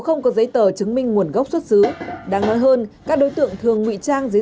không có giấy tờ chứng minh nguồn gốc xuất xứ đáng nói hơn các đối tượng thường ngụy trang dưới